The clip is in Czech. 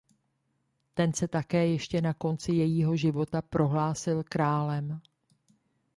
Ten se také ještě na konci jejího života prohlásil králem.